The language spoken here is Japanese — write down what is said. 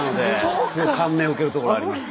すごい感銘を受けるところがあります。